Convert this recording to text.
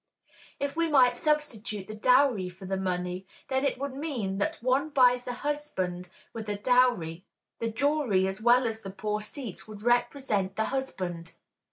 If we might substitute the dowry for the money, then it would mean that one buys a husband with a dowry; the jewelry as well as the poor seats would represent the husband.